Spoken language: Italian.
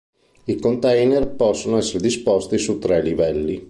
I container possono essere disposti su tre livelli.